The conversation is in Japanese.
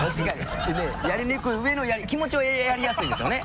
やりにくいうえの気持ちはやりやすいですよね。